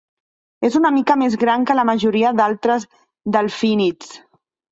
És una mica més gran que la majoria d'altres delfínids.